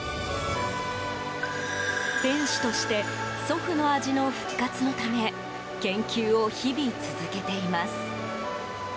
店主として祖父の味の復活のため研究を日々続けています。